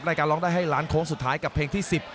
ร้องได้ให้ล้านโค้งสุดท้ายกับเพลงที่๑๐